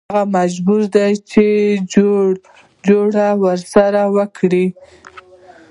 هغه مجبور وي چې جوړه ورسره وکړي.